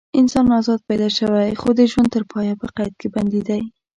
انسان ازاد پیدا شوی خو د ژوند تر پایه په قید کې بندي دی.